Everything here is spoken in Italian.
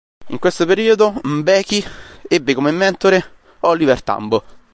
In questo periodo Mbeki ebbe come mentore Oliver Tambo.